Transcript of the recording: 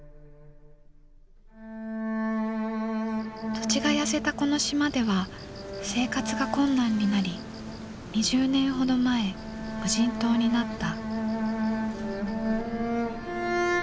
土地が痩せたこの島では生活が困難になり２０年ほど前無人島になった。